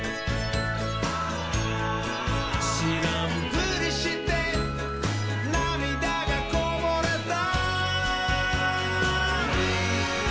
「しらんぷりしてなみだがこぼれた」